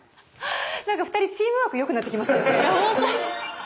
何か２人チームワークよくなってきましたね。